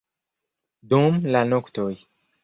dum la noktoj